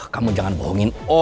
kamu jangan bohongin om